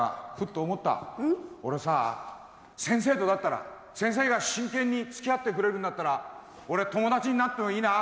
俺さ先生とだったら先生が真剣につきあってくれるんだったら俺友達になってもいいな。